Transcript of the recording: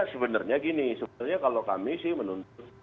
makanya sebenarnya gini sebenarnya kalau kami sih menuntun